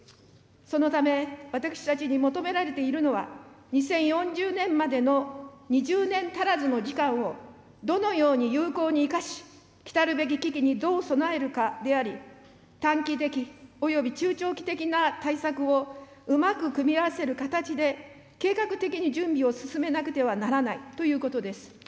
そのため、私たちに求められているのは、２０４０年までの２０年足らずの時間をどのように有効に生かし、きたるべき危機にどう備えるかであり、短期的および中長期的な対策を、うまく組み合わせる形で計画的に準備を進めなければならないということです。